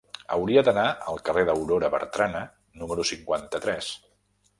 Hauria d'anar al carrer d'Aurora Bertrana número cinquanta-tres.